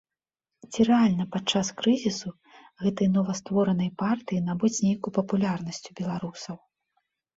Ці рэальна падчас крызісу гэтай новастворанай партыі набыць нейкую папулярнасць у беларусаў?